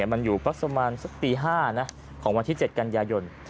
มันอยู่ก็ประมาณสักตี๕ของวันที่๗กันยายน